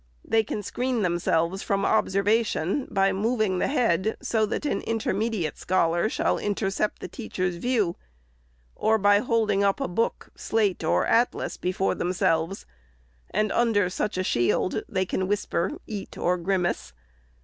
They can screen themselves from observation, by moving the head so that an intermediate scholar shall intercept the teachqr's view; or by holding up a book, slate, or atlas before themselves, and under such shield, can whisper, eat, or grimace.